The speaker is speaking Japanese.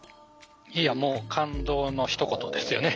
いやもう感動のひと言ですよね。